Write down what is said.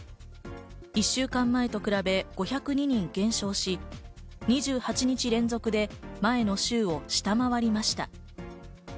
１週間前と比べ５０２人減少し、２８日連続で前の週を下回りました。